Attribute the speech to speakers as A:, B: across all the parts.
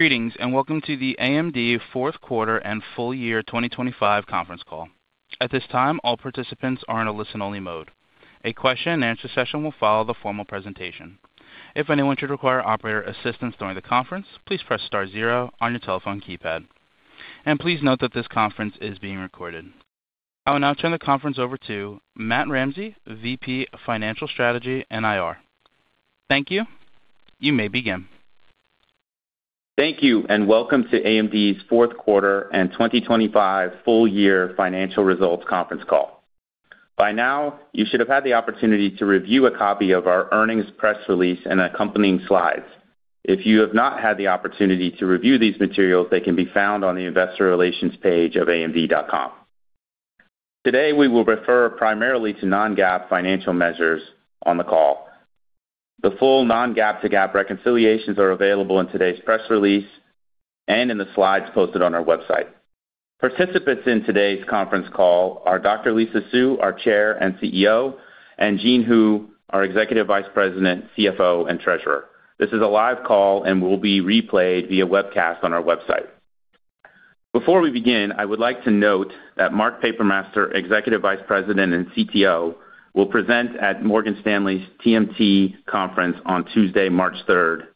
A: Greetings, and welcome to the AMD Fourth Quarter and Full Year 2025 Conference Call. At this time, all participants are in a listen-only mode. A question-and-answer session will follow the formal presentation. If anyone should require operator assistance during the conference, please press star zero on your telephone keypad. Please note that this conference is being recorded. I will now turn the conference over to Matt Ramsay, VP Financial Strategy and IR. Thank you. You may begin.
B: Thank you, and welcome to AMD's Fourth Quarter and 2025 Full Year Financial Results Conference Call. By now, you should have had the opportunity to review a copy of our earnings press release and accompanying slides. If you have not had the opportunity to review these materials, they can be found on the investor relations page of amd.com. Today, we will refer primarily to non-GAAP financial measures on the call. The full non-GAAP-to-GAAP reconciliations are available in today's press release and in the slides posted on our website. Participants in today's conference call are Dr. Lisa Su, our Chair and CEO, and Jean Hu, our Executive Vice President, CFO, and Treasurer. This is a live call and will be replayed via webcast on our website. Before we begin, I would like to note that Mark Papermaster, Executive Vice President and CTO, will present at Morgan Stanley's TMT conference on Tuesday, March 3rd.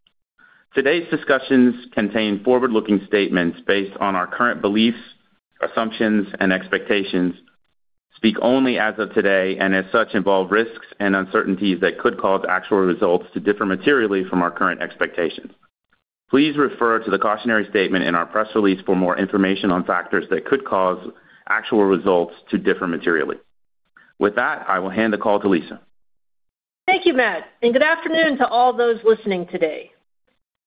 B: Today's discussions contain forward-looking statements based on our current beliefs, assumptions, and expectations, speak only as of today, and as such involve risks and uncertainties that could cause actual results to differ materially from our current expectations. Please refer to the cautionary statement in our press release for more information on factors that could cause actual results to differ materially. With that, I will hand the call to Lisa.
C: Thank you, Matt, and good afternoon to all those listening today.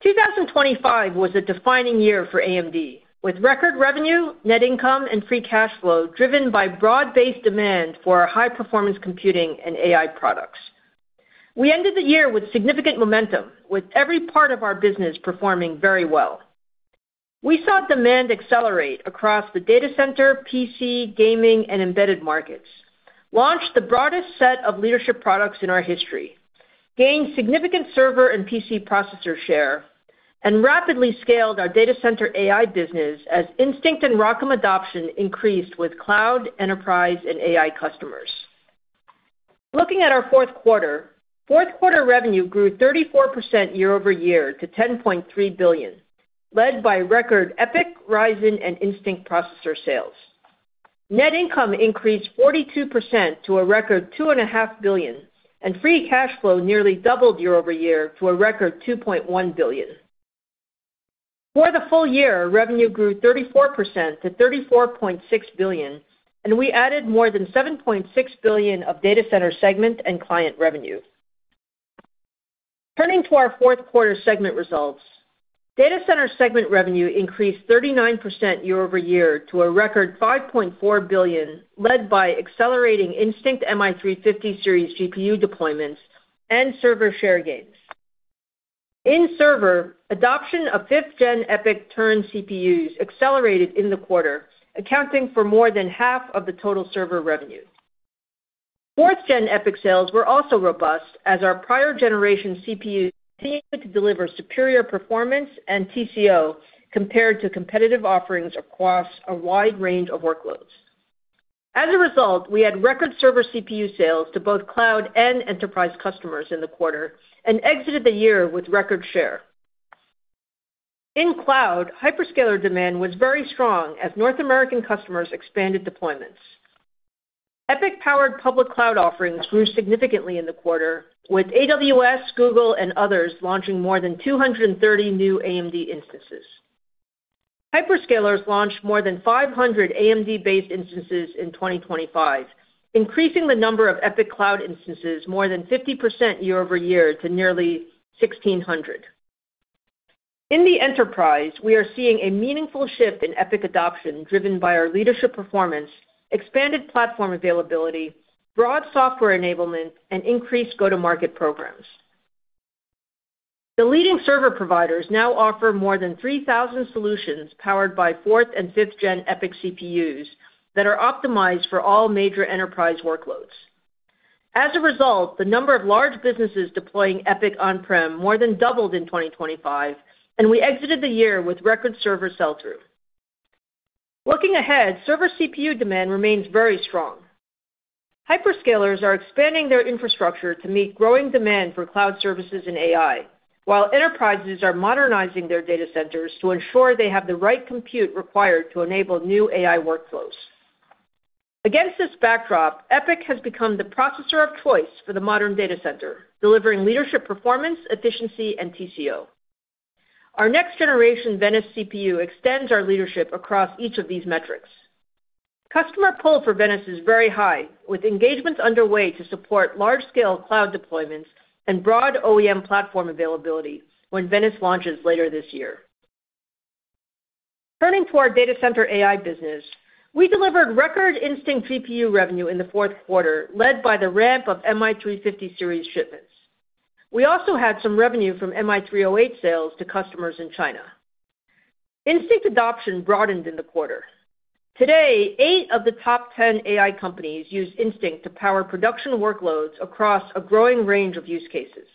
C: 2025 was a defining year for AMD, with record revenue, net income, and free cash flow driven by broad-based demand for high-performance computing and AI products. We ended the year with significant momentum, with every part of our business performing very well. We saw demand accelerate across the data center, PC, gaming, and embedded markets, launched the broadest set of leadership products in our history, gained significant server and PC processor share, and rapidly scaled our data center AI business as Instinct and ROCm adoption increased with cloud, enterprise, and AI customers. Looking at our fourth quarter, fourth quarter revenue grew 34% year-over-year to $10.3 billion, led by record EPYC, Ryzen, and Instinct processor sales. Net income increased 42% to a record $2.5 billion, and free cash flow nearly doubled year-over-year to a record $2.1 billion. For the full year, revenue grew 34% to $34.6 billion, and we added more than $7.6 billion of data center segment and client revenue. Turning to our fourth quarter segment results, data center segment revenue increased 39% year-over-year to a record $5.4 billion, led by accelerating Instinct MI350 series GPU deployments and server share gains. In server, adoption of 5th-gen EPYC Turin CPUs accelerated in the quarter, accounting for more than half of the total server revenue. 4th-gen EPYC sales were also robust, as our prior generation CPUs continued to deliver superior performance and TCO compared to competitive offerings across a wide range of workloads. As a result, we had record server CPU sales to both cloud and enterprise customers in the quarter and exited the year with record share. In cloud, hyperscaler demand was very strong as North American customers expanded deployments. EPYC-powered public cloud offerings grew significantly in the quarter, with AWS, Google, and others launching more than 230 new AMD instances. Hyperscalers launched more than 500 AMD-based instances in 2025, increasing the number of EPYC cloud instances more than 50% year over year to nearly 1,600. In the enterprise, we are seeing a meaningful shift in EPYC adoption driven by our leadership performance, expanded platform availability, broad software enablement, and increased go-to-market programs. The leading server providers now offer more than 3,000 solutions powered by fourth- and fifth-gen EPYC CPUs that are optimized for all major enterprise workloads. As a result, the number of large businesses deploying EPYC on-prem more than doubled in 2025, and we exited the year with record server sell-through. Looking ahead, server CPU demand remains very strong. Hyperscalers are expanding their infrastructure to meet growing demand for cloud services and AI, while enterprises are modernizing their data centers to ensure they have the right compute required to enable new AI workflows. Against this backdrop, EPYC has become the processor of choice for the modern data center, delivering leadership performance, efficiency, and TCO. Our next-generation Venice CPU extends our leadership across each of these metrics. Customer pull for Venice is very high, with engagements underway to support large-scale cloud deployments and broad OEM platform availability when Venice launches later this year. Turning to our data center AI business, we delivered record Instinct GPU revenue in the fourth quarter, led by the ramp of MI350 series shipments. We also had some revenue from MI308 sales to customers in China. Instinct adoption broadened in the quarter. Today, 8 of the top 10 AI companies use Instinct to power production workloads across a growing range of use cases.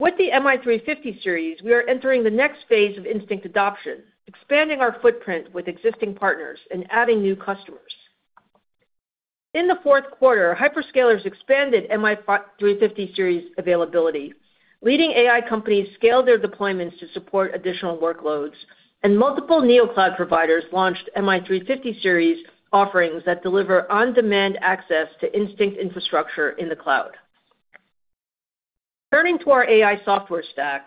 C: With the MI350 series, we are entering the next phase of Instinct adoption, expanding our footprint with existing partners and adding new customers. In the fourth quarter, hyperscalers expanded MI350 series availability, leading AI companies scale their deployments to support additional workloads, and multiple neocloud providers launched MI350 series offerings that deliver on-demand access to Instinct infrastructure in the cloud. Turning to our AI software stack,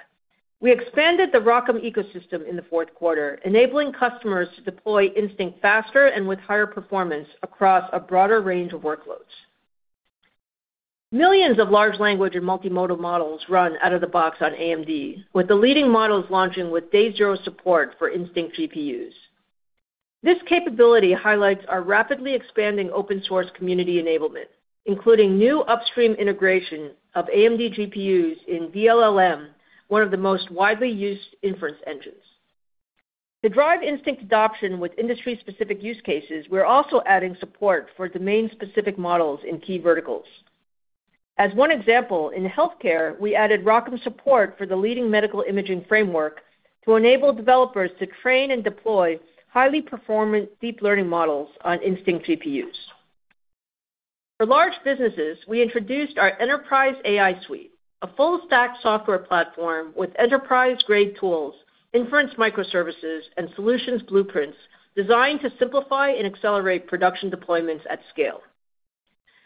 C: we expanded the ROCm ecosystem in the fourth quarter, enabling customers to deploy Instinct faster and with higher performance across a broader range of workloads. Millions of large language and multimodal models run out of the box on AMD, with the leading models launching with day zero support for Instinct GPUs. This capability highlights our rapidly expanding open-source community enablement, including new upstream integration of AMD GPUs in vLLM, one of the most widely used inference engines. To drive Instinct adoption with industry-specific use cases, we're also adding support for domain-specific models in key verticals. As one example, in healthcare, we added ROCm support for the leading medical imaging framework to enable developers to train and deploy highly performant deep learning models on Instinct GPUs. For large businesses, we introduced our Enterprise AI Suite, a full-stack software platform with enterprise-grade tools, inference microservices, and solutions blueprints designed to simplify and accelerate production deployments at scale.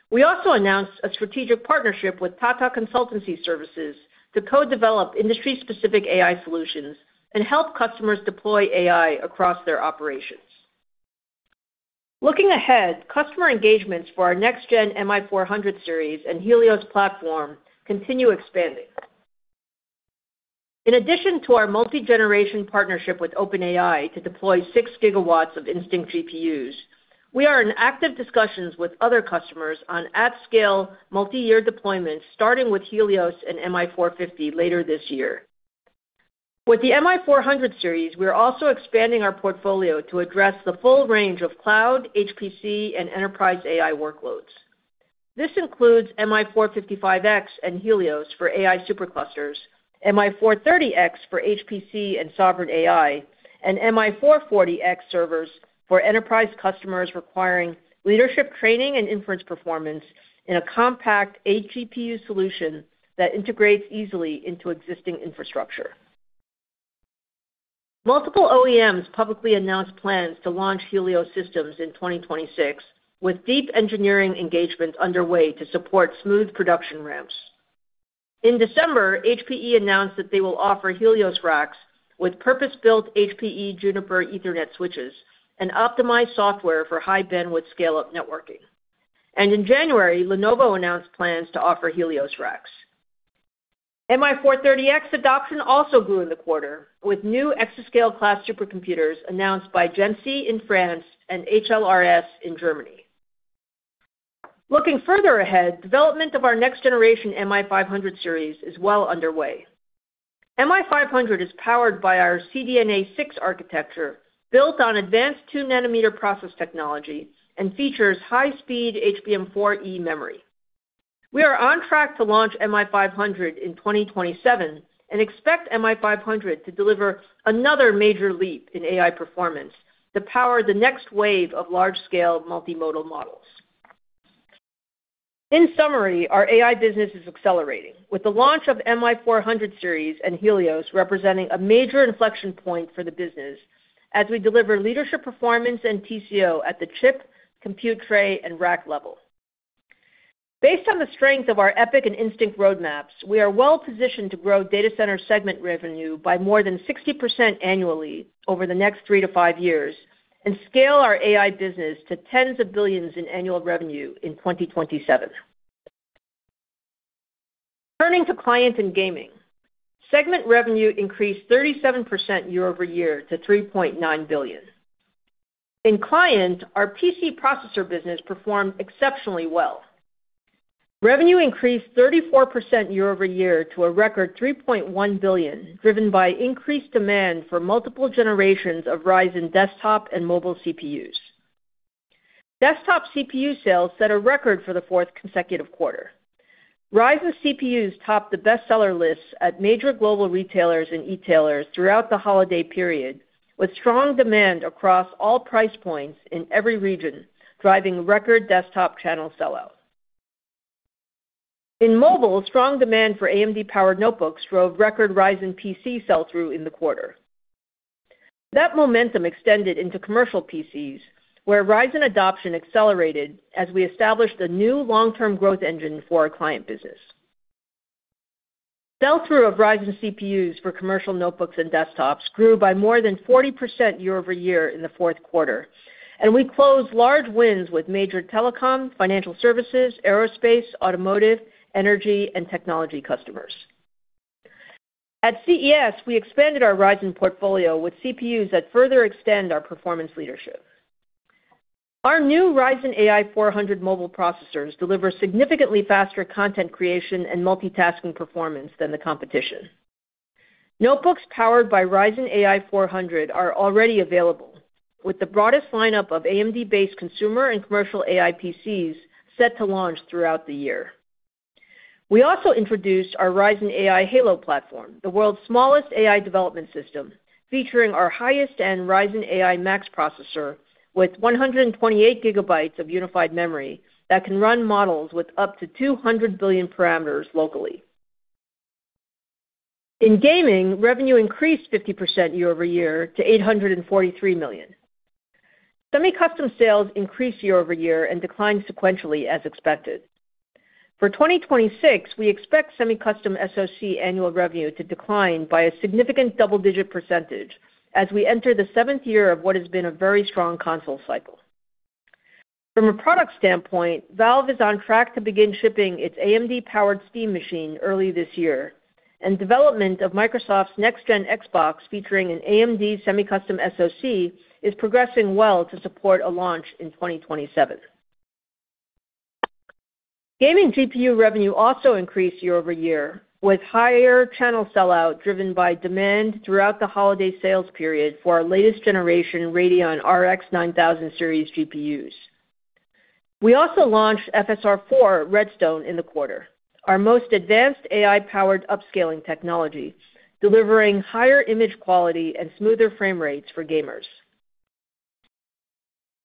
C: We also announced a strategic partnership with Tata Consultancy Services to co-develop industry-specific AI solutions and help customers deploy AI across their operations. Looking ahead, customer engagements for our next-gen MI400 series and Helios platform continue expanding. In addition to our multi-generation partnership with OpenAI to deploy 6 GW of Instinct GPUs, we are in active discussions with other customers on at-scale multi-year deployments starting with Helios and MI450 later this year. With the MI400 series, we are also expanding our portfolio to address the full range of cloud, HPC, and enterprise AI workloads. This includes MI455X and Helios for AI superclusters, MI430X for HPC and sovereign AI, and MI440X servers for enterprise customers requiring leadership training and inference performance in a compact 8-GPU solution that integrates easily into existing infrastructure. Multiple OEMs publicly announced plans to launch Helios systems in 2026, with deep engineering engagement underway to support smooth production ramps. In December, HPE announced that they will offer Helios racks with purpose-built HPE Juniper Ethernet switches and optimized software for high-bandwidth scale-up networking. And in January, Lenovo announced plans to offer Helios racks. MI430X adoption also grew in the quarter, with new Exascale-class supercomputers announced by GENCI in France and HLRS in Germany. Looking further ahead, development of our next-generation MI500 series is well underway. MI500 is powered by our CDNA six architecture, built on advanced 2-nanometer process technology, and features high-speed HBM4e memory. We are on track to launch MI500 in 2027 and expect MI500 to deliver another major leap in AI performance to power the next wave of large-scale multimodal models. In summary, our AI business is accelerating, with the launch of MI400 series and Helios representing a major inflection point for the business as we deliver leadership performance and TCO at the chip, compute tray, and rack level. Based on the strength of our EPYC and Instinct roadmaps, we are well positioned to grow data center segment revenue by more than 60% annually over the next three to five years and scale our AI business to tens of billions in annual revenue in 2027. Turning to client and gaming, segment revenue increased 37% year-over-year to $3.9 billion. In client, our PC processor business performed exceptionally well. Revenue increased 34% year-over-year to a record $3.1 billion, driven by increased demand for multiple generations of Ryzen desktop and mobile CPUs. Desktop CPU sales set a record for the fourth consecutive quarter. Ryzen CPUs topped the bestseller lists at major global retailers and e-tailers throughout the holiday period, with strong demand across all price points in every region driving record desktop channel sellout. In mobile, strong demand for AMD-powered notebooks drove record Ryzen PC sell-through in the quarter. That momentum extended into commercial PCs, where Ryzen adoption accelerated as we established a new long-term growth engine for our client business. Sell-through of Ryzen CPUs for commercial notebooks and desktops grew by more than 40% year-over-year in the fourth quarter, and we closed large wins with major telecom, financial services, aerospace, automotive, energy, and technology customers. At CES, we expanded our Ryzen portfolio with CPUs that further extend our performance leadership. Our new Ryzen AI 400 mobile processors deliver significantly faster content creation and multitasking performance than the competition. Notebooks powered by Ryzen AI 400 are already available, with the broadest lineup of AMD-based consumer and commercial AI PCs set to launch throughout the year. We also introduced our Ryzen AI Halo platform, the world's smallest AI development system, featuring our highest-end Ryzen AI Max processor with 128 GB of unified memory that can run models with up to 200 billion parameters locally. In gaming, revenue increased 50% year-over-year to $843 million. Semi-custom sales increased year-over-year and declined sequentially, as expected. For 2026, we expect semi-custom SoC annual revenue to decline by a significant double-digit percentage as we enter the seventh year of what has been a very strong console cycle. From a product standpoint, Valve is on track to begin shipping its AMD-powered Steam Machine early this year, and development of Microsoft's next-gen Xbox featuring an AMD semi-custom SoC is progressing well to support a launch in 2027. Gaming GPU revenue also increased year-over-year, with higher channel sellout driven by demand throughout the holiday sales period for our latest generation Radeon RX 9000 Series GPUs. We also launched FSR 4 Redstone in the quarter, our most advanced AI-powered upscaling technology, delivering higher image quality and smoother frame rates for gamers.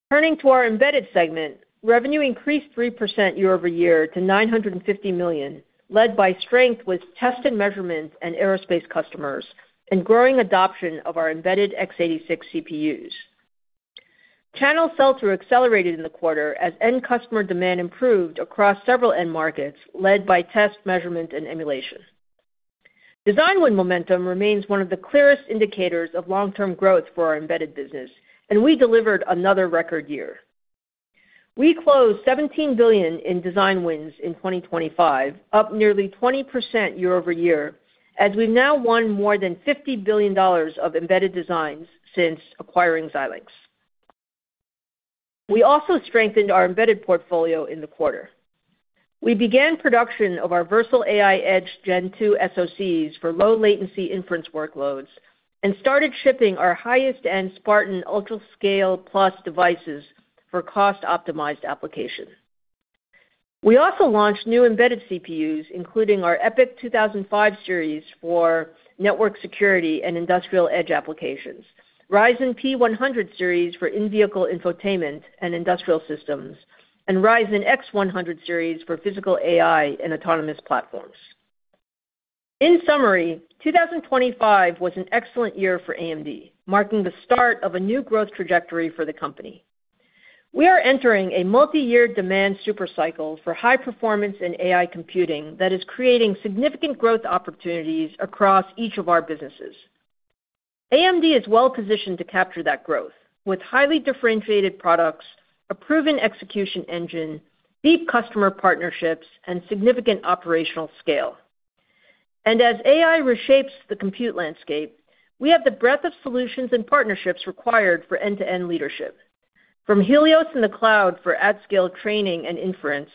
C: Turning to our embedded segment, revenue increased 3% year-over-year to $950 million, led by strength with test and measurement and aerospace customers and growing adoption of our embedded x86 CPUs. Channel sell-through accelerated in the quarter as end-customer demand improved across several end markets, led by test, measurement, and emulation. Design win momentum remains one of the clearest indicators of long-term growth for our embedded business, and we delivered another record year. We closed $17 billion in design wins in 2025, up nearly 20% year-over-year, as we've now won more than $50 billion of embedded designs since acquiring Xilinx. We also strengthened our embedded portfolio in the quarter. We began production of our Versal AI Edge Gen 2 SoCs for low-latency inference workloads and started shipping our highest-end Spartan UltraScale+ devices for cost-optimized applications. We also launched new embedded CPUs, including our EPYC 2005 Series for network security and industrial edge applications, Ryzen P100 Series for in-vehicle infotainment and industrial systems, and Ryzen X100 Series for physical AI and autonomous platforms. In summary, 2025 was an excellent year for AMD, marking the start of a new growth trajectory for the company. We are entering a multi-year demand supercycle for high performance and AI computing that is creating significant growth opportunities across each of our businesses. AMD is well positioned to capture that growth, with highly differentiated products, a proven execution engine, deep customer partnerships, and significant operational scale. As AI reshapes the compute landscape, we have the breadth of solutions and partnerships required for end-to-end leadership, from Helios in the cloud for at-scale training and inference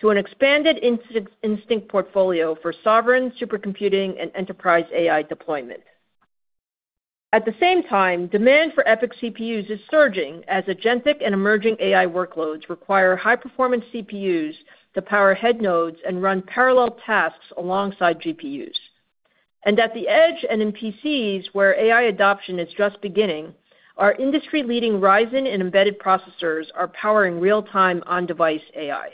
C: to an expanded Instinct portfolio for sovereign supercomputing and enterprise AI deployment. At the same time, demand for EPYC CPUs is surging as agentic and emerging AI workloads require high-performance CPUs to power head nodes and run parallel tasks alongside GPUs. At the edge and in PCs where AI adoption is just beginning, our industry-leading Ryzen and embedded processors are powering real-time on-device AI.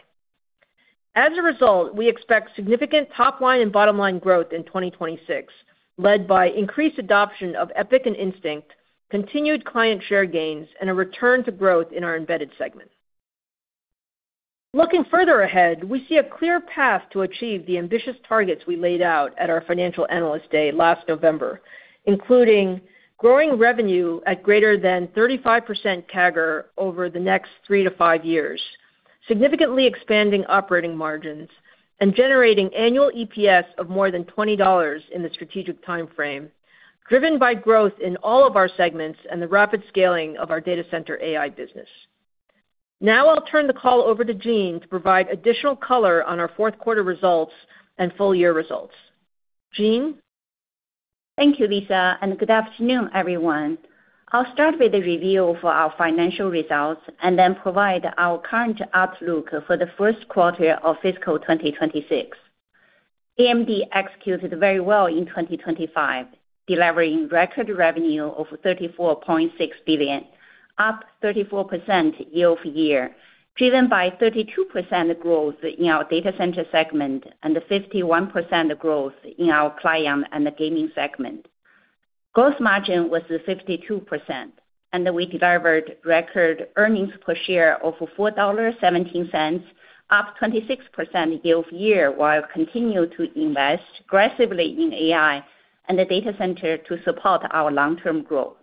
C: As a result, we expect significant top-line and bottom-line growth in 2026, led by increased adoption of EPYC and Instinct, continued client share gains, and a return to growth in our embedded segment. Looking further ahead, we see a clear path to achieve the ambitious targets we laid out at our financial analyst day last November, including growing revenue at greater than 35% CAGR over the next three to five years, significantly expanding operating margins, and generating annual EPS of more than $20 in the strategic time frame, driven by growth in all of our segments and the rapid scaling of our data center AI business. Now I'll turn the call over to Jean to provide additional color on our fourth quarter results and full-year results. Jean?
D: Thank you, Lisa, and good afternoon, everyone. I'll start with a review of our financial results and then provide our current outlook for the first quarter of fiscal 2026. AMD executed very well in 2025, delivering record revenue of $34.6 billion, up 34% year-over-year, driven by 32% growth in our data center segment and 51% growth in our client and gaming segment. Gross margin was 52%, and we delivered record earnings per share of $4.17, up 26% year-over-year while continuing to invest aggressively in AI and the data center to support our long-term growth.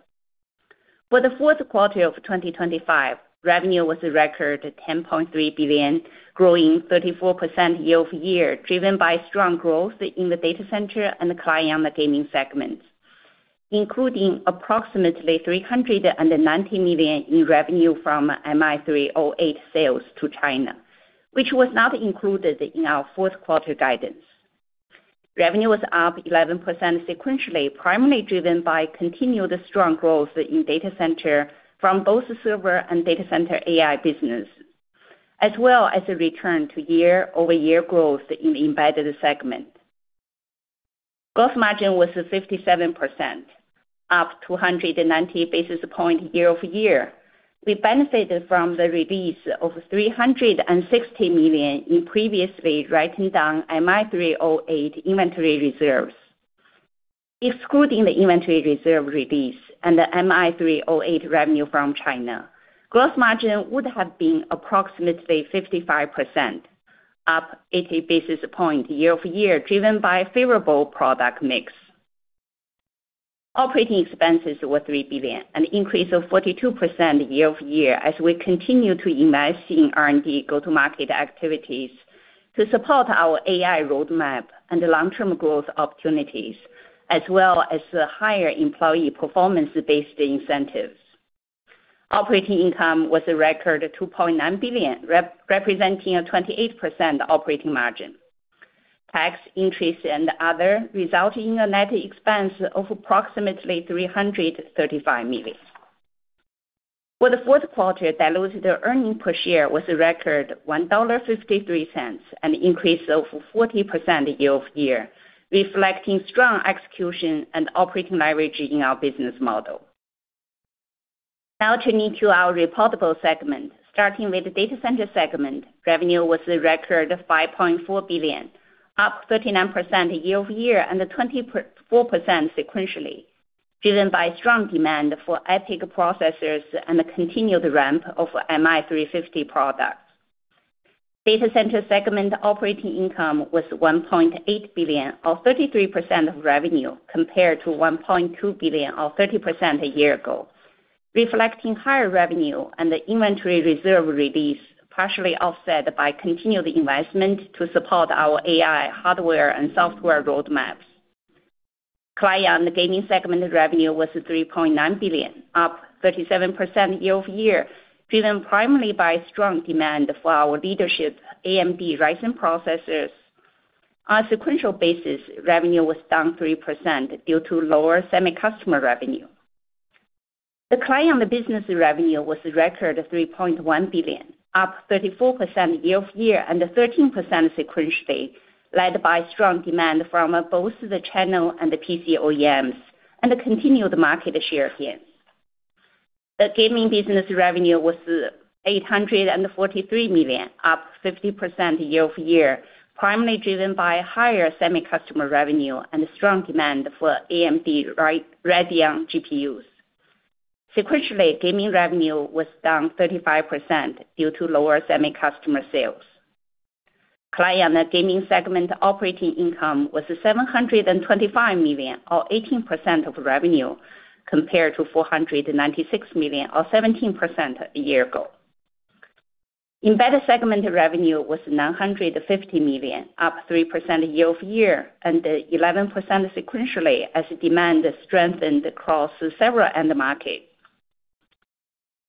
D: For the fourth quarter of 2025, revenue was a record $10.3 billion, growing 34% year-over-year, driven by strong growth in the data center and client gaming segments, including approximately $390 million in revenue from MI308 sales to China, which was not included in our fourth quarter guidance. Revenue was up 11% sequentially, primarily driven by continued strong growth in data center from both server and data center AI businesses, as well as a return to year-over-year growth in the embedded segment. Gross margin was 57%, up 290 basis points year-over-year. We benefited from the release of $360 million in previously written-down MI308 inventory reserves. Excluding the inventory reserve release and the MI308 revenue from China, gross margin would have been approximately 55%, up 80 basis points year-over-year, driven by favorable product mix. Operating expenses were $3 billion, an increase of 42% year-over-year as we continue to invest in R&D go-to-market activities to support our AI roadmap and long-term growth opportunities, as well as higher employee performance-based incentives. Operating income was a record $2.9 billion, representing a 28% operating margin, tax increase, and other, resulting in a net expense of approximately $335 million. For the fourth quarter, diluted earnings per share was a record $1.53, an increase of 40% year-over-year, reflecting strong execution and operating leverage in our business model. Now turning to our reportable segment. Starting with the data center segment, revenue was a record $5.4 billion, up 39% year-over-year and 24% sequentially, driven by strong demand for EPYC processors and the continued ramp of MI350 products. Data center segment operating income was $1.8 billion, or 33% of revenue, compared to $1.2 billion, or 30% a year ago, reflecting higher revenue and the inventory reserve release, partially offset by continued investment to support our AI hardware and software roadmaps. Client gaming segment revenue was $3.9 billion, up 37% year-over-year, driven primarily by strong demand for our leadership AMD Ryzen processors. On a sequential basis, revenue was down 3% due to lower semi-customer revenue. The client business revenue was a record $3.1 billion, up 34% year-over-year and 13% sequentially, led by strong demand from both the channel and the PC OEMs and continued market share gains. The gaming business revenue was $843 million, up 50% year-over-year, primarily driven by higher semi-customer revenue and strong demand for AMD Radeon GPUs. Sequentially, gaming revenue was down 35% due to lower semi-customer sales. Client gaming segment operating income was $725 million, or 18% of revenue, compared to $496 million, or 17% a year ago. Embedded segment revenue was $950 million, up 3% year-over-year and 11% sequentially as demand strengthened across several end markets.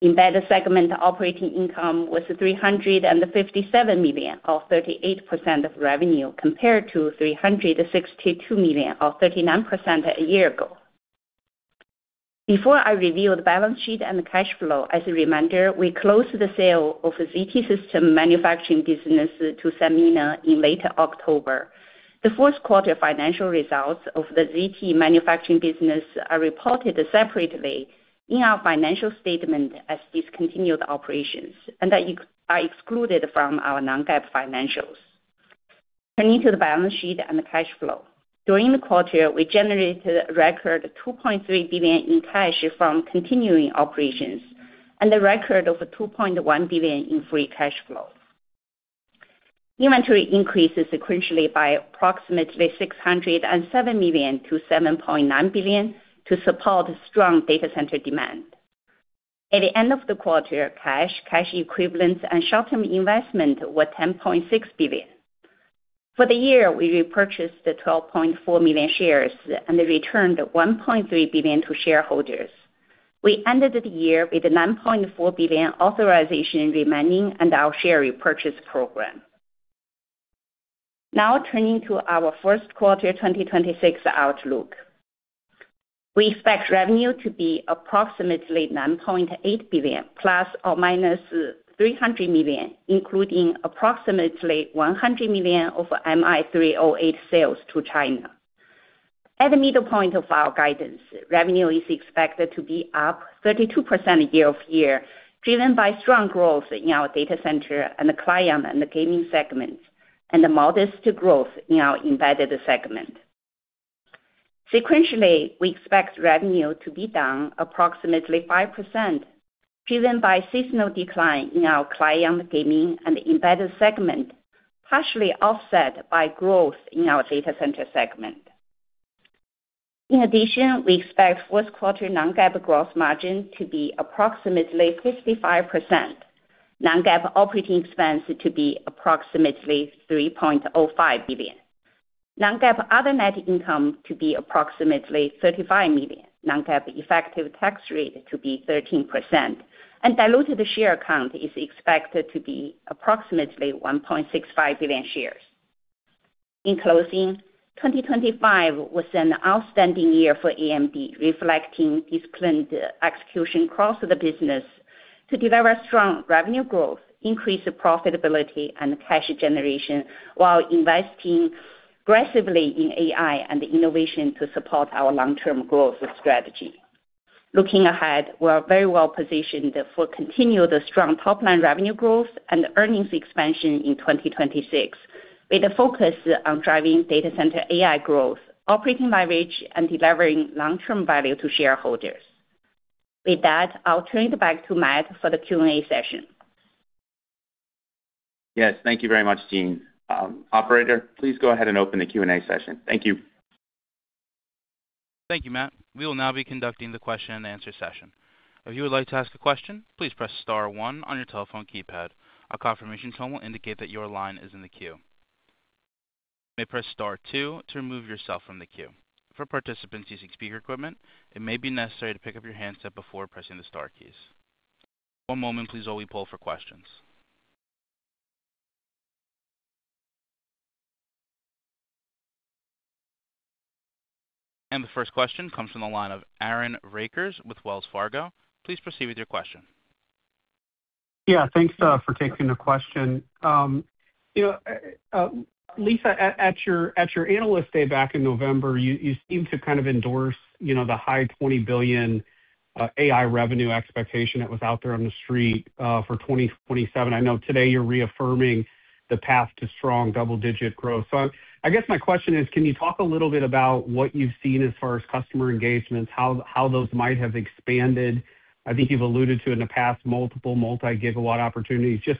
D: Embedded segment operating income was $357 million, or 38% of revenue, compared to $362 million, or 39% a year ago. Before I reveal the balance sheet and the cash flow, as a reminder, we closed the sale of ZT Systems manufacturing business to Sanmina in late October. The fourth quarter financial results of the ZT manufacturing business are reported separately in our financial statement as discontinued operations and are excluded from our non-GAAP financials. Turning to the balance sheet and the cash flow. During the quarter, we generated a record $2.3 billion in cash from continuing operations and a record of $2.1 billion in free cash flow. Inventory increased sequentially by approximately $607 million-$7.9 billion to support strong data center demand. At the end of the quarter, cash, cash equivalents, and short-term investment were $10.6 billion. For the year, we repurchased 12.4 million shares and returned $1.3 billion to shareholders. We ended the year with $9.4 billion authorization remaining and our share repurchase program. Now turning to our first quarter 2026 outlook. We expect revenue to be approximately $9.8 billion, plus or minus $300 million, including approximately $100 million of MI308 sales to China. At the middle point of our guidance, revenue is expected to be up 32% year-over-year, driven by strong growth in our data center and client gaming segments and modest growth in our embedded segment. Sequentially, we expect revenue to be down approximately 5%, driven by seasonal decline in our client gaming and embedded segment, partially offset by growth in our data center segment. In addition, we expect fourth quarter non-GAAP gross margin to be approximately 55%, non-GAAP operating expense to be approximately $3.05 billion, non-GAAP other net income to be approximately $35 million, non-GAAP effective tax rate to be 13%, and diluted share count is expected to be approximately 1.65 billion shares. In closing, 2025 was an outstanding year for AMD, reflecting disciplined execution across the business to deliver strong revenue growth, increase profitability, and cash generation while investing aggressively in AI and innovation to support our long-term growth strategy. Looking ahead, we are very well positioned for continued strong top-line revenue growth and earnings expansion in 2026 with a focus on driving data center AI growth, operating leverage, and delivering long-term value to shareholders. With that, I'll turn it back to Matt for the Q&A session.
B: Yes. Thank you very much, Jean. Operator, please go ahead and open the Q&A session. Thank you.
A: Thank you, Matt. We will now be conducting the question-and-answer session. If you would like to ask a question, please press star one on your telephone keypad. A confirmation tone will indicate that your line is in the queue. You may press star two to remove yourself from the queue. For participants using speaker equipment, it may be necessary to pick up your handset before pressing the star keys. One moment, please, while we pull for questions. And the first question comes from the line of Aaron Rakers with Wells Fargo. Please proceed with your question.
E: Yeah. Thanks for taking the question. Lisa, at your analyst day back in November, you seemed to kind of endorse the high $20 billion AI revenue expectation that was out there on the street for 2027. I know today you're reaffirming the path to strong double-digit growth. So I guess my question is, can you talk a little bit about what you've seen as far as customer engagements, how those might have expanded? I think you've alluded to in the past multiple multi-gigawatt opportunities. Just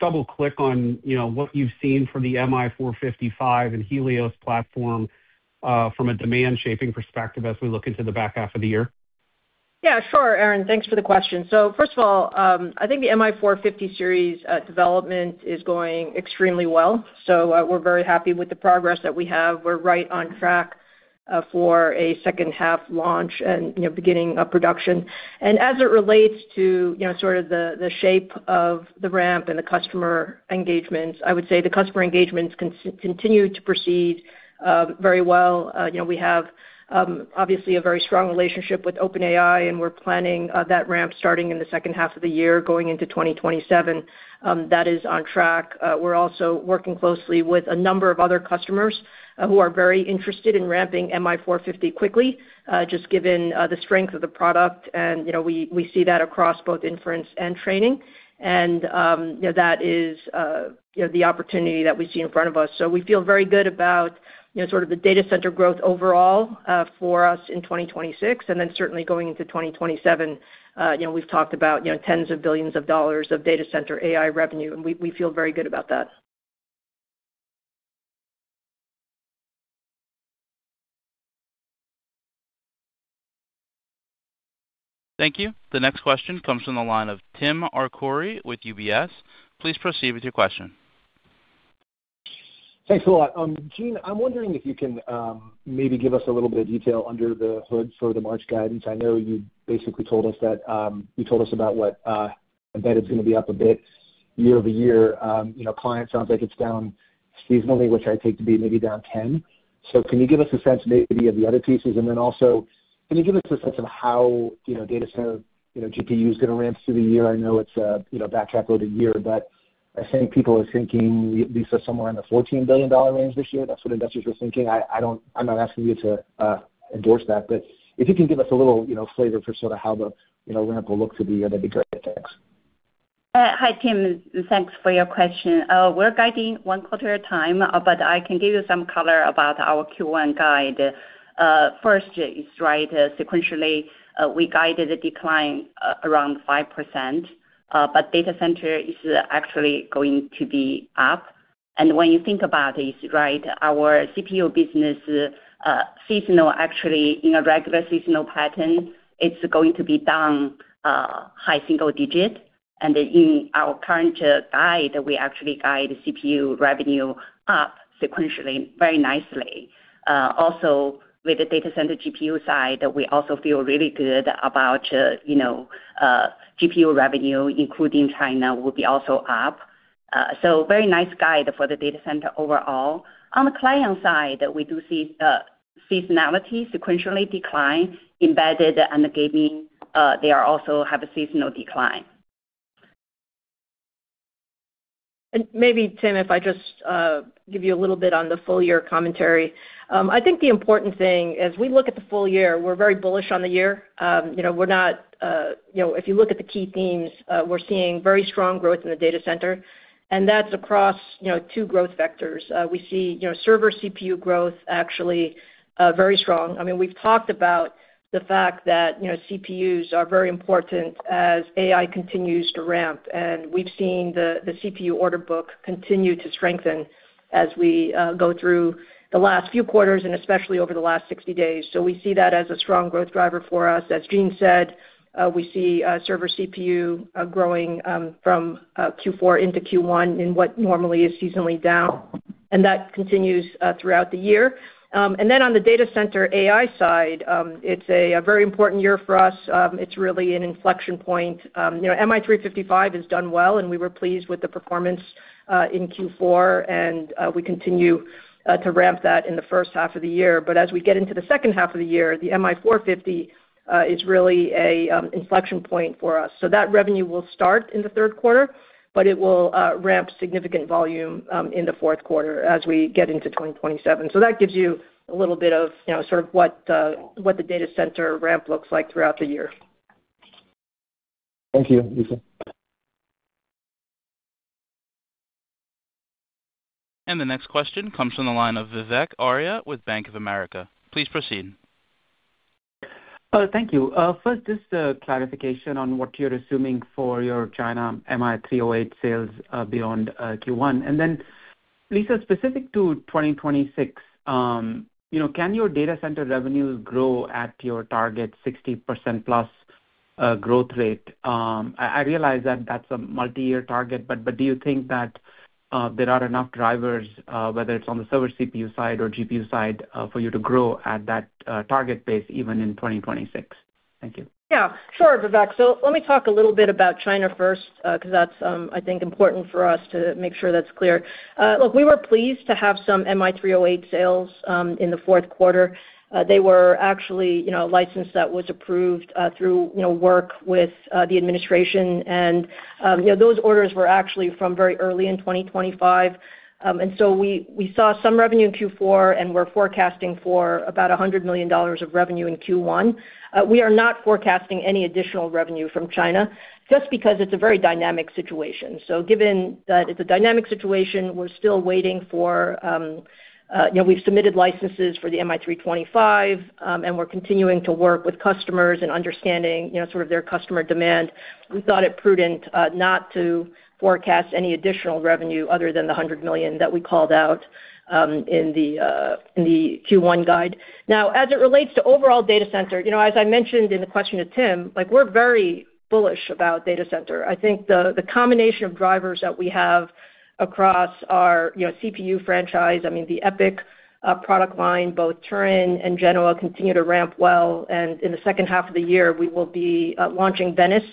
E: double-click on what you've seen for the MI455 and Helios platform from a demand-shaping perspective as we look into the back half of the year.
C: Yeah. Sure, Aaron. Thanks for the question. So first of all, I think the MI450 series development is going extremely well. So we're very happy with the progress that we have. We're right on track for a second-half launch and beginning of production. And as it relates to sort of the shape of the ramp and the customer engagements, I would say the customer engagements continue to proceed very well. We have, obviously, a very strong relationship with OpenAI, and we're planning that ramp starting in the second half of the year, going into 2027. That is on track. We're also working closely with a number of other customers who are very interested in ramping MI450 quickly, just given the strength of the product. And we see that across both inference and training. And that is the opportunity that we see in front of us. So we feel very good about sort of the data center growth overall for us in 2026. And then certainly, going into 2027, we've talked about $ tens of billions of data center AI revenue, and we feel very good about that.
A: Thank you. The next question comes from the line of Tim Arcuri with UBS. Please proceed with your question.
F: Thanks a lot. Jean, I'm wondering if you can maybe give us a little bit of detail under the hood for the March guidance. I know you basically told us that you told us about what embedded's going to be up a bit year over year. Client sounds like it's down seasonally, which I take to be maybe down 10. So can you give us a sense maybe of the other pieces? And then also, can you give us a sense of how data center GPU is going to ramp through the year? I know it's a back half loaded year, but I think people are thinking, Lisa, somewhere in the $14 billion range this year. That's what investors were thinking. I'm not asking you to endorse that. If you can give us a little flavor for sort of how the ramp will look through the year, that'd be great. Thanks.
C: Hi, Tim. Thanks for your question. We're guiding one quarter at a time, but I can give you some color about our Q1 guide. First, it's right sequentially, we guided the decline around 5%, but data center is actually going to be up. And when you think about it, it's right. Our CPU business seasonal, actually, in a regular seasonal pattern, it's going to be down high single digit. And in our current guide, we actually guide CPU revenue up sequentially very nicely. Also, with the data center GPU side, we also feel really good about GPU revenue, including China, will be also up. So very nice guide for the data center overall. On the client side, we do see seasonality, sequentially decline. Embedded and gaming, they also have a seasonal decline. And maybe, Tim, if I just give you a little bit on the full-year commentary. I think the important thing, as we look at the full year, we're very bullish on the year. We're not, if you look at the key themes, we're seeing very strong growth in the data center. And that's across two growth vectors. We see server CPU growth, actually, very strong. I mean, we've talked about the fact that CPUs are very important as AI continues to ramp. And we've seen the CPU order book continue to strengthen as we go through the last few quarters and especially over the last 60 days. So we see that as a strong growth driver for us. As Jean said, we see server CPU growing from Q4 into Q1 in what normally is seasonally down. And that continues throughout the year. Then on the data center AI side, it's a very important year for us. It's really an inflection point. MI355 has done well, and we were pleased with the performance in Q4. We continue to ramp that in the first half of the year. As we get into the second half of the year, the MI450 is really an inflection point for us. That revenue will start in the third quarter, but it will ramp significant volume in the fourth quarter as we get into 2027. That gives you a little bit of sort of what the data center ramp looks like throughout the year.
F: Thank you, Lisa.
A: The next question comes from the line of Vivek Arya with Bank of America. Please proceed.
G: Thank you. First, just clarification on what you're assuming for your China MI308 sales beyond Q1. And then, Lisa, specific to 2026, can your data center revenues grow at your target 60%+ growth rate? I realize that that's a multi-year target, but do you think that there are enough drivers, whether it's on the server CPU side or GPU side, for you to grow at that target base even in 2026? Thank you.
C: Yeah. Sure, Vivek. So let me talk a little bit about China first because that's, I think, important for us to make sure that's clear. Look, we were pleased to have some MI308 sales in the fourth quarter. They were actually a license that was approved through work with the administration. And those orders were actually from very early in 2025. And so we saw some revenue in Q4, and we're forecasting for about $100 million of revenue in Q1. We are not forecasting any additional revenue from China just because it's a very dynamic situation. So given that it's a dynamic situation, we're still waiting. We've submitted licenses for the MI325, and we're continuing to work with customers and understanding sort of their customer demand. We thought it prudent not to forecast any additional revenue other than the $100 million that we called out in the Q1 guide. Now, as it relates to overall data center, as I mentioned in the question to Tim, we're very bullish about data center. I think the combination of drivers that we have across our CPU franchise, I mean, the EPYC product line, both Turin and Genoa, continue to ramp well. And in the second half of the year, we will be launching Venice,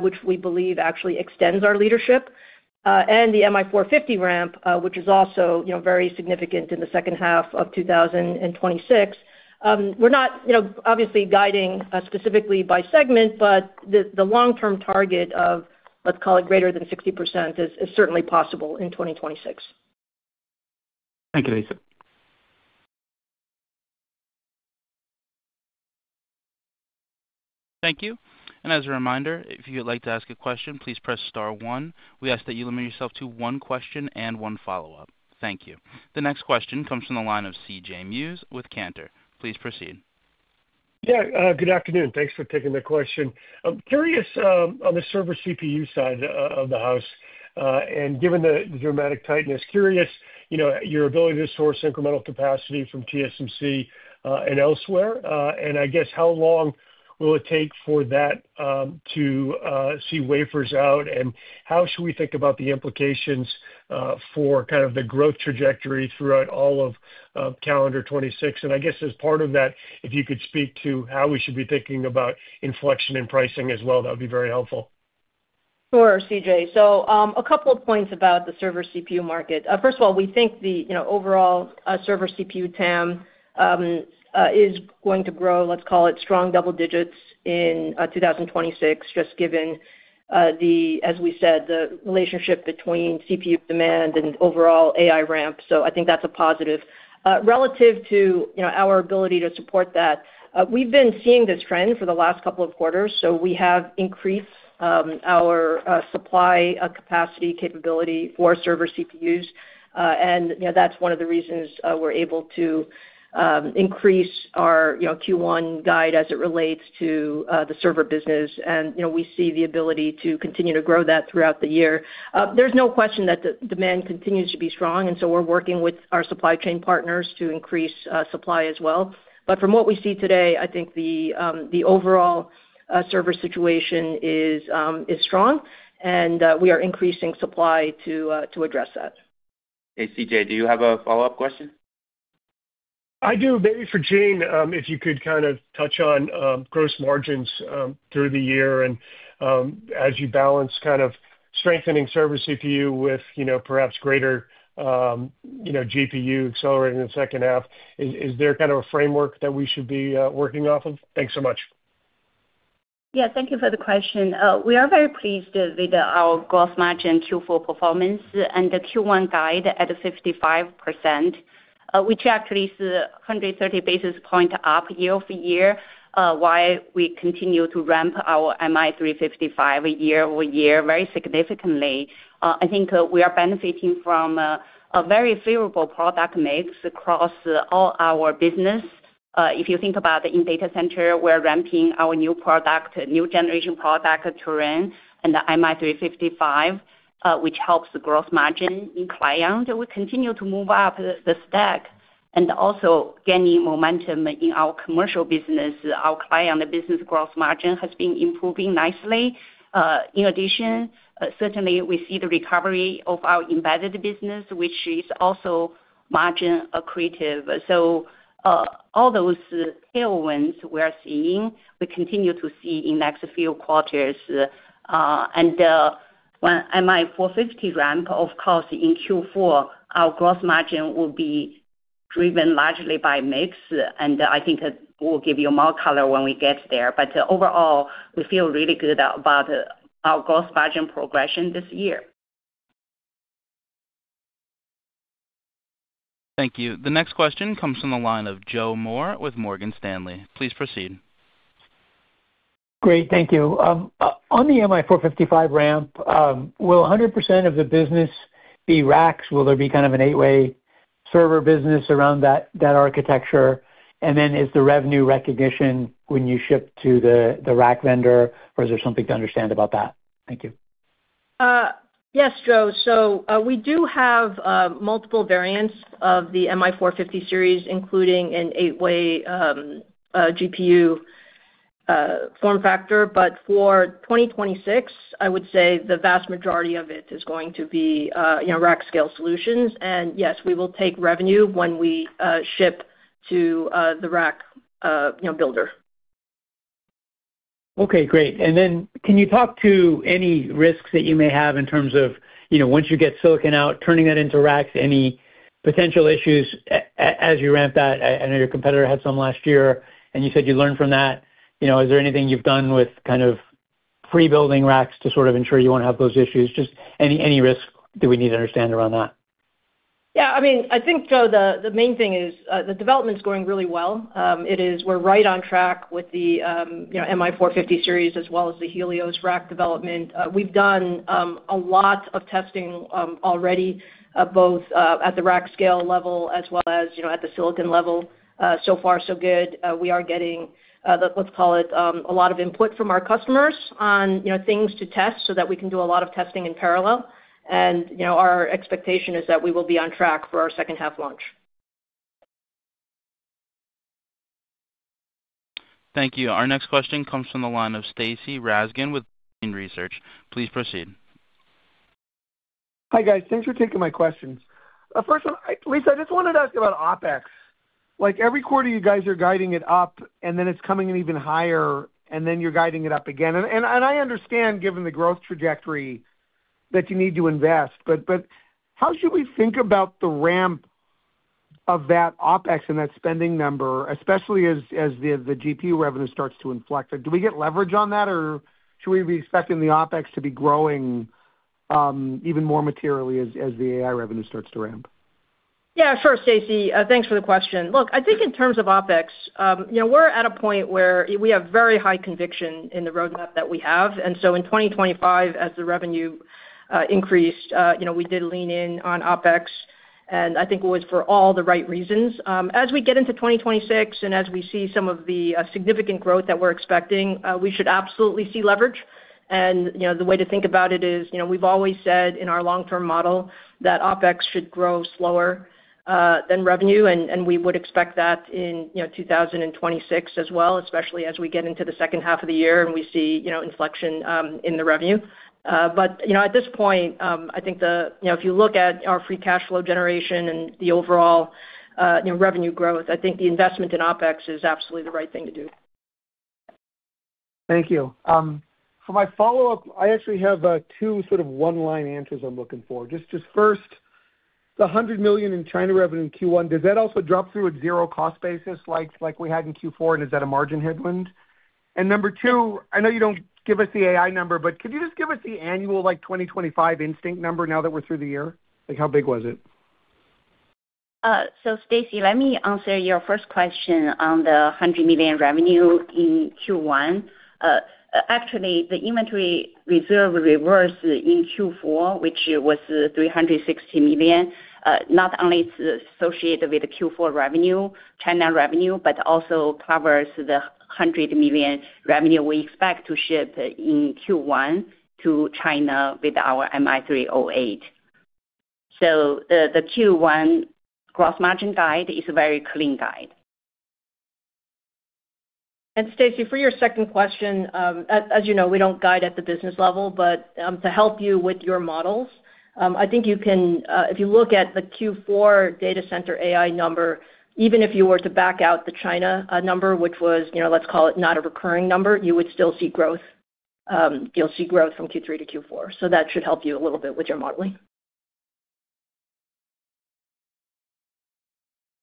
C: which we believe actually extends our leadership. And the MI450 ramp, which is also very significant in the second half of 2026. We're not, obviously, guiding specifically by segment, but the long-term target of, let's call it, greater than 60% is certainly possible in 2026.
G: Thank you, Lisa.
A: Thank you. And as a reminder, if you would like to ask a question, please press star one. We ask that you limit yourself to one question and one follow-up. Thank you. The next question comes from the line of CJ Muse with Cantor. Please proceed.
H: Yeah. Good afternoon. Thanks for taking the question. I'm curious on the server CPU side of the house. And given the dramatic tightness, curious your ability to source incremental capacity from TSMC and elsewhere. And I guess how long will it take for that to see wafers out? And how should we think about the implications for kind of the growth trajectory throughout all of calendar 2026? And I guess as part of that, if you could speak to how we should be thinking about inflection in pricing as well, that would be very helpful.
C: Sure, CJ. So a couple of points about the server CPU market. First of all, we think the overall server CPU TAM is going to grow, let's call it, strong double digits in 2026, just given, as we said, the relationship between CPU demand and overall AI ramp. So I think that's a positive. Relative to our ability to support that, we've been seeing this trend for the last couple of quarters. So we have increased our supply capacity capability for server CPUs. And that's one of the reasons we're able to increase our Q1 guide as it relates to the server business. And we see the ability to continue to grow that throughout the year. There's no question that demand continues to be strong. And so we're working with our supply chain partners to increase supply as well. From what we see today, I think the overall server situation is strong. We are increasing supply to address that.
A: Hey, C.J. Do you have a follow-up question?
H: I do. Maybe for Jean, if you could kind of touch on gross margins through the year. And as you balance kind of strengthening server CPU with perhaps greater GPU accelerating in the second half, is there kind of a framework that we should be working off of? Thanks so much.
D: Yeah. Thank you for the question. We are very pleased with our gross margin Q4 performance and the Q1 guide at 55%, which actually is 130 basis points up year-over-year while we continue to ramp our MI355 year-over-year very significantly. I think we are benefiting from a very favorable product mix across all our business. If you think about it in data center, we're ramping our new product, new generation product, Turin, and the MI355, which helps the gross margin in client. We continue to move up the stack and also gaining momentum in our commercial business. Our client business gross margin has been improving nicely. In addition, certainly, we see the recovery of our embedded business, which is also margin accretive. So all those tailwinds we are seeing, we continue to see in the next few quarters. When MI450 ramp, of course, in Q4, our gross margin will be driven largely by mix. I think we'll give you more color when we get there. Overall, we feel really good about our gross margin progression this year.
A: Thank you. The next question comes from the line of Joe Moore with Morgan Stanley. Please proceed.
I: Great. Thank you. On the MI455 ramp, will 100% of the business be racks? Will there be kind of an eight-way server business around that architecture? And then is the revenue recognition when you ship to the rack vendor, or is there something to understand about that? Thank you.
C: Yes, Joe. So we do have multiple variants of the MI450 series, including an eight-way GPU form factor. But for 2026, I would say the vast majority of it is going to be rack-scale solutions. And yes, we will take revenue when we ship to the rack builder.
I: Okay. Great. And then can you talk to any risks that you may have in terms of once you get silicon out, turning that into racks, any potential issues as you ramp that? I know your competitor had some last year, and you said you learned from that. Is there anything you've done with kind of pre-building racks to sort of ensure you won't have those issues? Just any risk do we need to understand around that?
C: Yeah. I mean, Joe, the main thing is the development's going really well. We're right on track with the MI450 series as well as the Helios rack development. We've done a lot of testing already, both at the rack-scale level as well as at the silicon level. So far, so good. We are getting, let's call it, a lot of input from our customers on things to test so that we can do a lot of testing in parallel. And our expectation is that we will be on track for our second-half launch.
A: Thank you. Our next question comes from the line of Stacy Rasgon with Bernstein Research. Please proceed.
J: Hi, guys. Thanks for taking my questions. First one, Lisa, I just wanted to ask about OpEx. Every quarter, you guys are guiding it up, and then it's coming in even higher, and then you're guiding it up again. And I understand, given the growth trajectory, that you need to invest. But how should we think about the ramp of that OpEx and that spending number, especially as the GPU revenue starts to inflect? Do we get leverage on that, or should we be expecting the OpEx to be growing even more materially as the AI revenue starts to ramp?
C: Yeah. Sure, Stacy. Thanks for the question. Look, I think in terms of OpEx, we're at a point where we have very high conviction in the roadmap that we have. And so in 2025, as the revenue increased, we did lean in on OpEx. And I think it was for all the right reasons. As we get into 2026 and as we see some of the significant growth that we're expecting, we should absolutely see leverage. And the way to think about it is we've always said in our long-term model that OpEx should grow slower than revenue. And we would expect that in 2026 as well, especially as we get into the second half of the year and we see inflection in the revenue. But at this point, I think if you look at our free cash flow generation and the overall revenue growth, I think the investment in OpEx is absolutely the right thing to do.
J: Thank you. For my follow-up, I actually have two sort of one-line answers I'm looking for. Just first, the $100 million in China revenue in Q1, does that also drop through a zero-cost basis like we had in Q4, and is that a margin headwind? And number two, I know you don't give us the AI number, but could you just give us the annual 2025 Instinct number now that we're through the year? How big was it?
D: Stacy, let me answer your first question on the $100 million revenue in Q1. Actually, the inventory reserve reversed in Q4, which was $360 million, not only is associated with Q4 revenue, China revenue, but also covers the $100 million revenue we expect to ship in Q1 to China with our MI308. The Q1 gross margin guide is a very clean guide.
C: Stacy, for your second question, as you know, we don't guide at the business level. But to help you with your models, I think you can if you look at the Q4 data center AI number, even if you were to back out the China number, which was, let's call it, not a recurring number, you would still see growth. You'll see growth from Q3 to Q4. So that should help you a little bit with your modeling.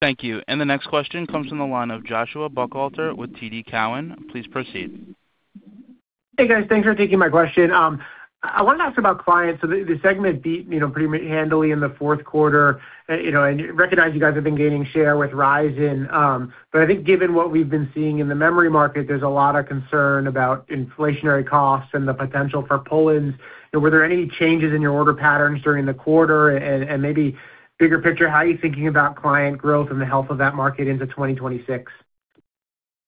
A: Thank you. The next question comes from the line of Joshua Buchalter with TD Cowen. Please proceed.
K: Hey, guys. Thanks for taking my question. I wanted to ask about clients. So the segment beat pretty handily in the fourth quarter. And I recognize you guys have been gaining share with Ryzen. But I think given what we've been seeing in the memory market, there's a lot of concern about inflationary costs and the potential for pull-ins. Were there any changes in your order patterns during the quarter? And maybe bigger picture, how are you thinking about client growth and the health of that market into 2026?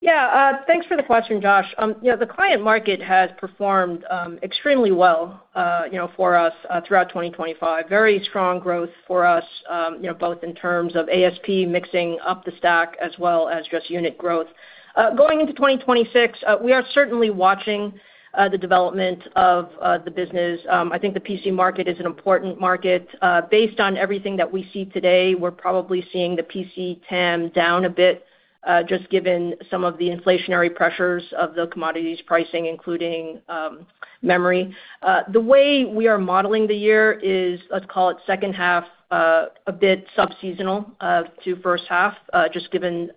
C: Yeah. Thanks for the question, Josh. The client market has performed extremely well for us throughout 2025. Very strong growth for us, both in terms of ASP mixing up the stack as well as just unit growth. Going into 2026, we are certainly watching the development of the business. I think the PC market is an important market. Based on everything that we see today, we're probably seeing the PC TAM down a bit, just given some of the inflationary pressures of the commodities pricing, including memory. The way we are modeling the year is, let's call it, second half a bit subseasonal to first half, just given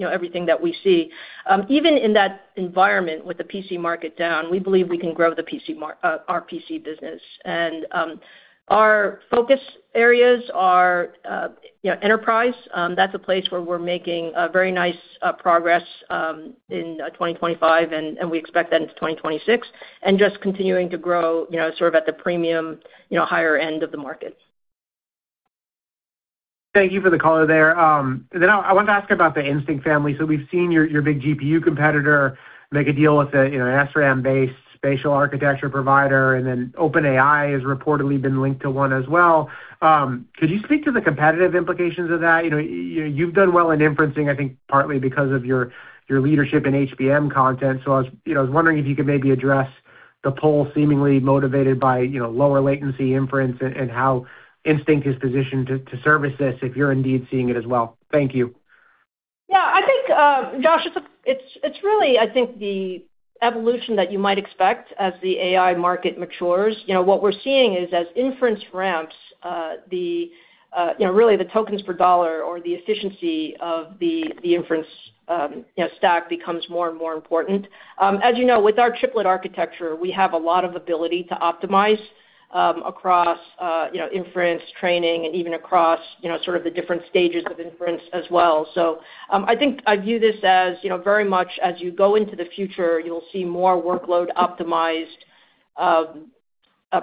C: everything that we see. Even in that environment with the PC market down, we believe we can grow our PC business. Our focus areas are enterprise. That's a place where we're making very nice progress in 2025, and we expect that into 2026, and just continuing to grow sort of at the premium, higher end of the market.
K: Thank you for the color there. Then I wanted to ask about the Instinct family. So we've seen your big GPU competitor make a deal with an SRAM-based spatial architecture provider. And then OpenAI has reportedly been linked to one as well. Could you speak to the competitive implications of that? You've done well in inferencing, I think, partly because of your leadership in HBM content. So I was wondering if you could maybe address the pull seemingly motivated by lower latency inference and how Instinct is positioned to service this if you're indeed seeing it as well. Thank you.
C: Yeah. I think, Josh, it's really, I think, the evolution that you might expect as the AI market matures. What we're seeing is, as inference ramps, really the tokens per dollar or the efficiency of the inference stack becomes more and more important. As you know, with our chiplet architecture, we have a lot of ability to optimize across inference, training, and even across sort of the different stages of inference as well. So I think I view this as very much as you go into the future, you'll see more workload-optimized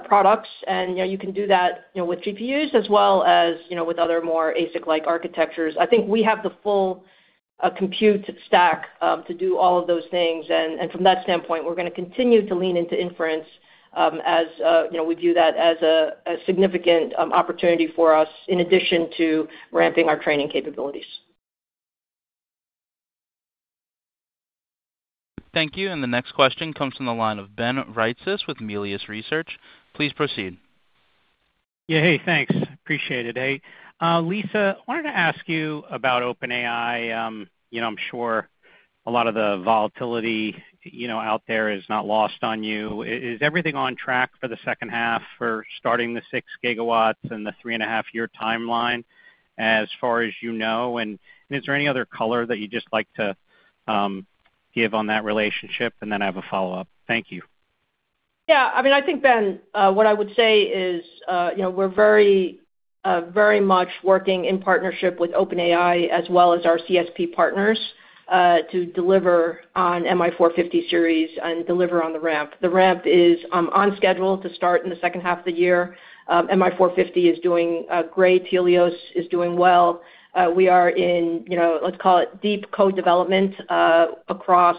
C: products. And you can do that with GPUs as well as with other more ASIC-like architectures. I think we have the full compute stack to do all of those things. From that standpoint, we're going to continue to lean into inference as we view that as a significant opportunity for us in addition to ramping our training capabilities.
A: Thank you. The next question comes from the line of Ben Reitzes with Melius Research. Please proceed.
L: Yeah. Hey. Thanks. Appreciate it. Hey, Lisa, I wanted to ask you about OpenAI. I'm sure a lot of the volatility out there is not lost on you. Is everything on track for the second half for starting the 6 GW and the three and a half year timeline as far as you know? And is there any other color that you'd just like to give on that relationship? And then I have a follow-up. Thank you.
C: Yeah. I mean, Ben, what I would say is we're very much working in partnership with OpenAI as well as our CSP partners to deliver on MI450 series and deliver on the ramp. The ramp is on schedule to start in the second half of the year. MI450 is doing great. Helios is doing well. We are in, let's call it, deep co-development across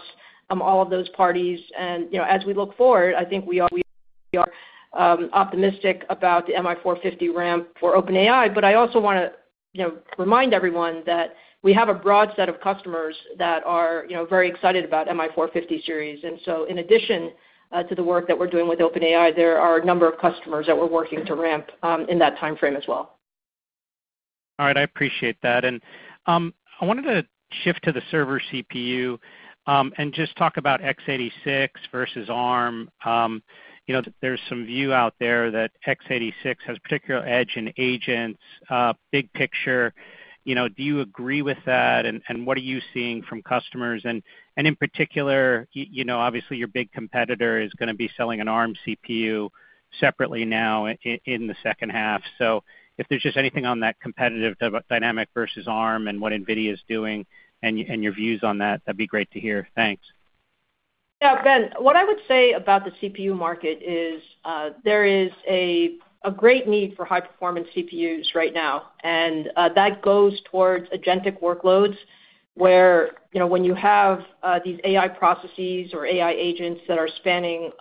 C: all of those parties. And as we look forward, I think we are optimistic about the MI450 ramp for OpenAI. But I also want to remind everyone that we have a broad set of customers that are very excited about MI450 series. And so in addition to the work that we're doing with OpenAI, there are a number of customers that we're working to ramp in that timeframe as well.
L: All right. I appreciate that. I wanted to shift to the server CPU and just talk about x86 versus ARM. There's some view out there that x86 has particular edge in agents, big picture. Do you agree with that? And what are you seeing from customers? And in particular, obviously, your big competitor is going to be selling an ARM CPU separately now in the second half. So if there's just anything on that competitive dynamic versus ARM and what NVIDIA is doing and your views on that, that'd be great to hear. Thanks.
C: Yeah. Ben, what I would say about the CPU market is there is a great need for high-performance CPUs right now. And that goes towards agentic workloads where when you have these AI processes or AI agents that are spinning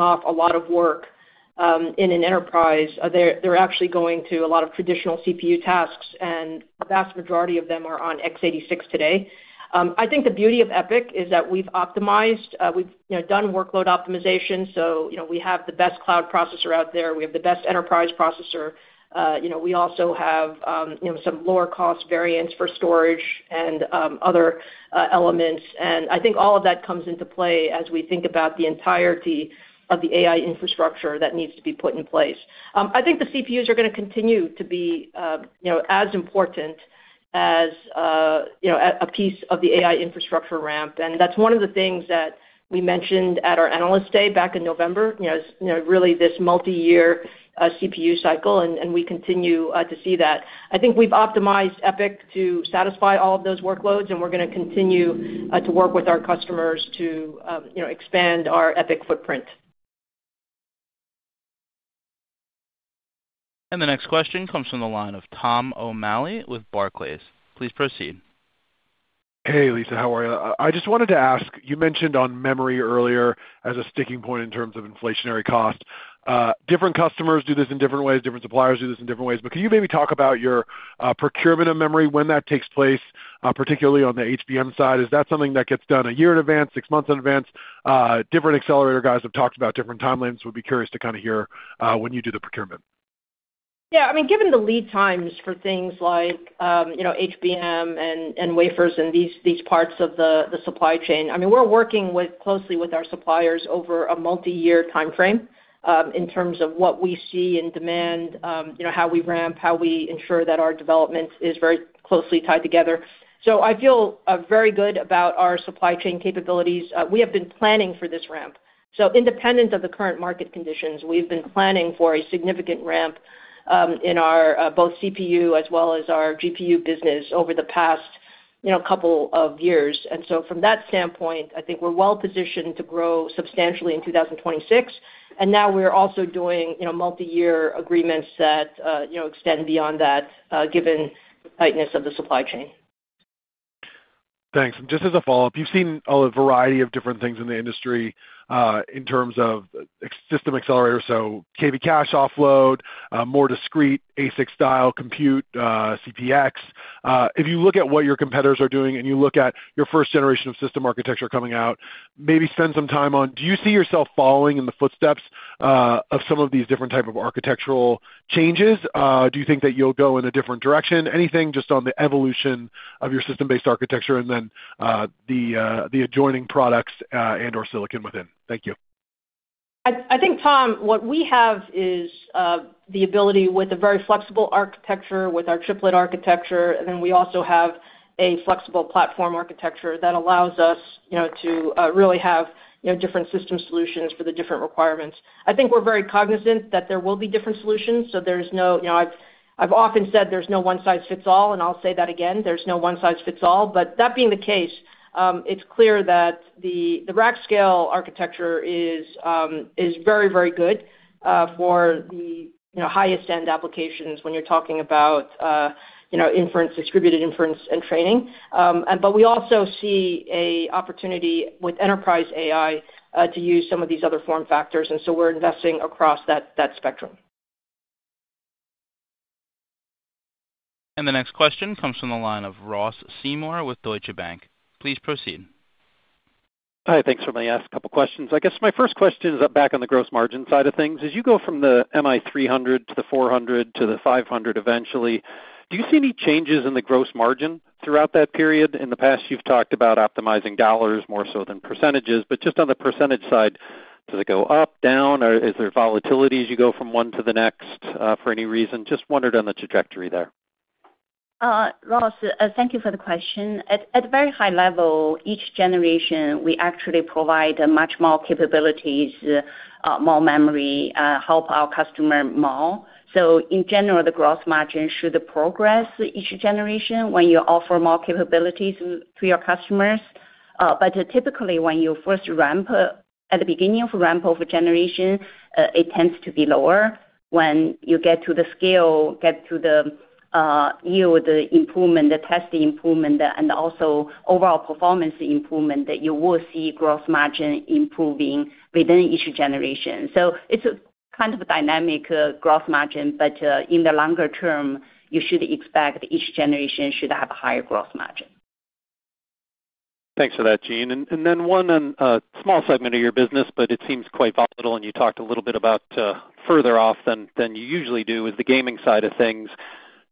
C: off a lot of work in an enterprise, they're actually going to a lot of traditional CPU tasks. And the vast majority of them are on x86 today. I think the beauty of EPYC is that we've optimized. We've done workload optimization. So we have the best cloud processor out there. We have the best enterprise processor. We also have some lower-cost variants for storage and other elements. And I think all of that comes into play as we think about the entirety of the AI infrastructure that needs to be put in place. I think the CPUs are going to continue to be as important as a piece of the AI infrastructure ramp. That's one of the things that we mentioned at our Analyst Day back in November, really this multi-year CPU cycle. We continue to see that. I think we've optimized EPYC to satisfy all of those workloads. We're going to continue to work with our customers to expand our EPYC footprint.
A: The next question comes from the line of Tom O'Malley with Barclays. Please proceed.
M: Hey, Lisa. How are you? I just wanted to ask, you mentioned on memory earlier as a sticking point in terms of inflationary cost. Different customers do this in different ways. Different suppliers do this in different ways. But could you maybe talk about your procurement of memory, when that takes place, particularly on the HBM side? Is that something that gets done a year in advance, six months in advance? Different accelerator guys have talked about different timelines. We'd be curious to kind of hear when you do the procurement.
C: Yeah. I mean, given the lead times for things like HBM and wafers and these parts of the supply chain, I mean, we're working closely with our suppliers over a multi-year timeframe in terms of what we see in demand, how we ramp, how we ensure that our development is very closely tied together. So I feel very good about our supply chain capabilities. We have been planning for this ramp. So independent of the current market conditions, we've been planning for a significant ramp in both CPU as well as our GPU business over the past couple of years. And so from that standpoint, I think we're well-positioned to grow substantially in 2026. And now we're also doing multi-year agreements that extend beyond that given tightness of the supply chain.
M: Thanks. And just as a follow-up, you've seen a variety of different things in the industry in terms of system accelerator, so KV cache offload, more discrete ASIC-style compute, CPX. If you look at what your competitors are doing and you look at your first generation of system architecture coming out, maybe spend some time on, do you see yourself following in the footsteps of some of these different types of architectural changes? Do you think that you'll go in a different direction? Anything just on the evolution of your system-based architecture and then the adjoining products and/or silicon within. Thank you.
C: I think, Tom, what we have is the ability with a very flexible architecture with our chiplet architecture. And then we also have a flexible platform architecture that allows us to really have different system solutions for the different requirements. I think we're very cognizant that there will be different solutions. So there's no—I've often said there's no one-size-fits-all. And I'll say that again. There's no one-size-fits-all. But that being the case, it's clear that the rack scale architecture is very, very good for the highest-end applications when you're talking about distributed inference and training. But we also see an opportunity with enterprise AI to use some of these other form factors. And so we're investing across that spectrum.
A: The next question comes from the line of Ross Seymore with Deutsche Bank. Please proceed.
N: Hi. Thanks for my last couple of questions. I guess my first question is back on the gross margin side of things. As you go from the MI300 to the 400 to the 500 eventually, do you see any changes in the gross margin throughout that period? In the past, you've talked about optimizing dollars more so than percentages. But just on the percentage side, does it go up, down? Is there volatility as you go from one to the next for any reason? Just wondered on the trajectory there.
D: Ross, thank you for the question. At a very high level, each generation, we actually provide much more capabilities, more memory, help our customer more. So in general, the gross margin should progress each generation when you offer more capabilities to your customers. But typically, when you first ramp at the beginning of ramp of a generation, it tends to be lower. When you get to the scale, get to the yield improvement, the test improvement, and also overall performance improvement, you will see gross margin improving within each generation. So it's kind of a dynamic gross margin. But in the longer term, you should expect each generation should have a higher gross margin.
N: Thanks for that, Jean. Then one small segment of your business, but it seems quite volatile. You talked a little bit about further off than you usually do, is the gaming side of things.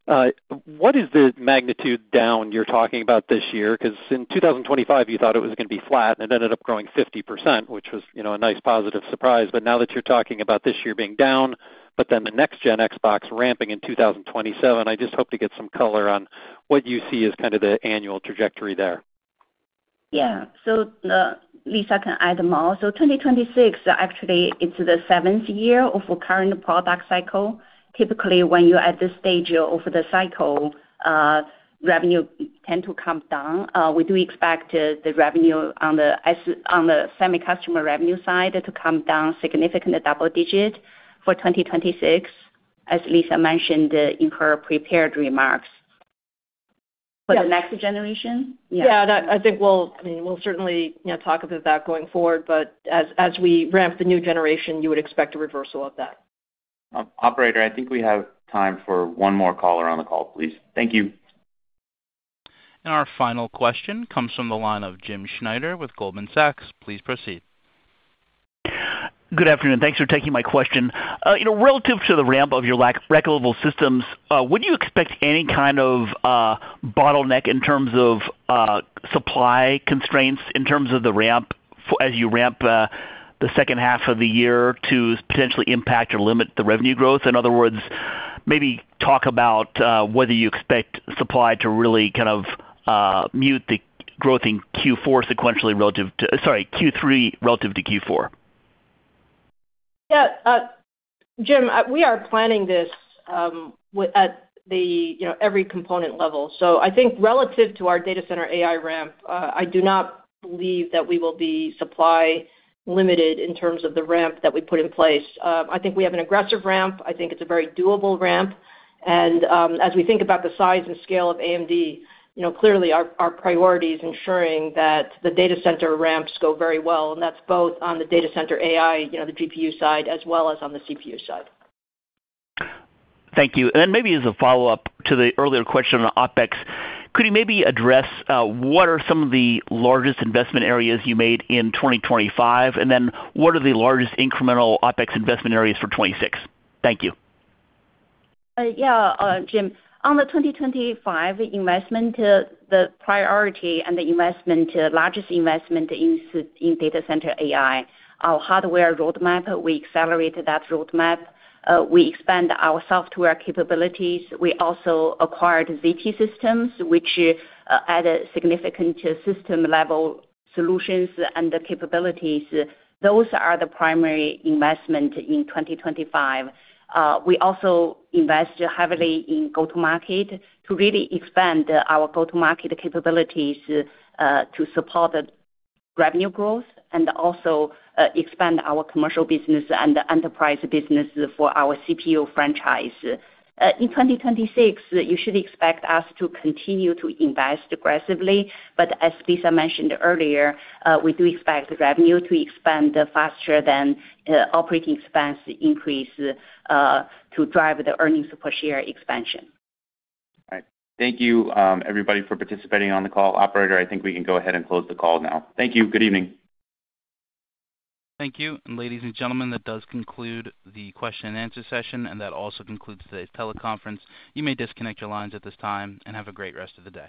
N: What is the magnitude down you're talking about this year? Because in 2025, you thought it was going to be flat. And it ended up growing 50%, which was a nice positive surprise. But now that you're talking about this year being down, but then the next-gen Xbox ramping in 2027, I just hope to get some color on what you see as kind of the annual trajectory there.
D: Yeah. So Lisa can add more. So 2026, actually, it's the seventh year of a current product cycle. Typically, when you're at this stage of the cycle, revenue tends to come down. We do expect the revenue on the semi-customer revenue side to come down significantly, double-digit for 2026, as Lisa mentioned in her prepared remarks. For the next generation?
C: Yeah. Yeah. I think we'll certainly talk about that going forward. But as we ramp the new generation, you would expect a reversal of that.
B: Operator, I think we have time for one more caller on the call, please. Thank you.
A: Our final question comes from the line of Jim Schneider with Goldman Sachs. Please proceed.
O: Good afternoon. Thanks for taking my question. Relative to the ramp of your rack-scale systems, would you expect any kind of bottleneck in terms of supply constraints in terms of the ramp as you ramp the second half of the year to potentially impact or limit the revenue growth? In other words, maybe talk about whether you expect supply to really kind of meet the growth in Q4 sequentially relative to sorry, Q3 relative to Q4.
C: Yeah. Jim, we are planning this at every component level. So I think relative to our data center AI ramp, I do not believe that we will be supply-limited in terms of the ramp that we put in place. I think we have an aggressive ramp. I think it's a very doable ramp. And as we think about the size and scale of AMD, clearly, our priority is ensuring that the data center ramps go very well. And that's both on the data center AI, the GPU side, as well as on the CPU side.
O: Thank you. And then maybe as a follow-up to the earlier question on OPEX, could you maybe address what are some of the largest investment areas you made in 2025? And then what are the largest incremental OPEX investment areas for 2026? Thank you.
C: Yeah, Jim. On the 2025 investment, the priority and the largest investment in data center AI, our hardware roadmap, we accelerated that roadmap. We expand our software capabilities. We also acquired ZT Systems, which add significant system-level solutions and capabilities. Those are the primary investment in 2025. We also invest heavily in go-to-market to really expand our go-to-market capabilities to support revenue growth and also expand our commercial business and enterprise business for our CPU franchise. In 2026, you should expect us to continue to invest aggressively. But as Lisa mentioned earlier, we do expect revenue to expand faster than operating expense increase to drive the earnings per share expansion.
O: All right. Thank you, everybody, for participating on the call. Operator, I think we can go ahead and close the call now. Thank you. Good evening.
A: Thank you. Ladies and gentlemen, that does conclude the question-and-answer session. That also concludes today's teleconference. You may disconnect your lines at this time and have a great rest of the day.